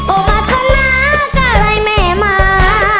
โอ้มัธนากะไรแม่มา